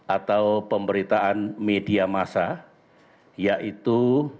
atau pemberitaan media masa yaitu